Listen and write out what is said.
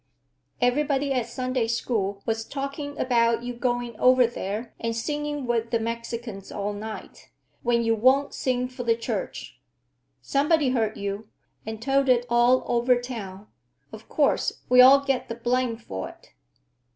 "Everybody at Sunday School was talking about you going over there and singing with the Mexicans all night, when you won't sing for the church. Somebody heard you, and told it all over town. Of course, we all get the blame for it."